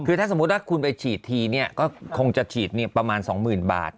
คือถ้าสมมุติว่าคุณไปฉีดทีก็คงจะฉีดประมาณ๒๐๐๐บาท